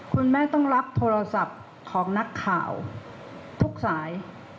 คุณแม่ต้องรับโทรศัพท์ของนักข่าวทุกสาย